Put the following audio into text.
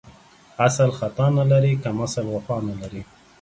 اسل ختا نه لري ، کمسل وفا نه لري.